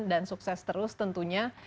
dan sukses terus tentunya